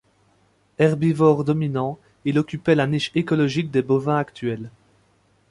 Herbivore dominant, il occupait la niche écologique des bovins actuels.